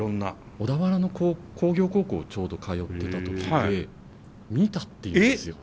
小田原の工業高校ちょうど通ってた時で観たって言うんですよ。